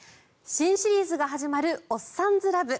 新シリーズが始まる「おっさんずラブ」。